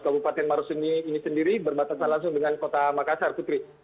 kabupaten maros ini sendiri berbatasan langsung dengan kota makassar putri